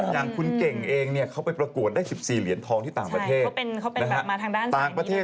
อย่างคุณเก่งเองเขาไปประกวดได้๑๔เหรียญทองที่ต่างประเทศ